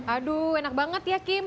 aduh enak banget ya kim